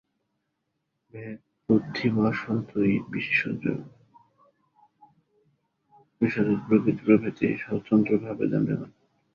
ভেদবুদ্ধিবশতই বিশ্বজগৎ প্রকৃতি প্রভৃতি স্বতন্ত্রভাবে দণ্ডায়মান।